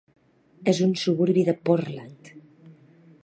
És un suburbi de Portland.